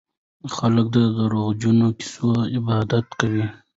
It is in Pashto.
خلک د دروغجنو کيسو عبادت کوي.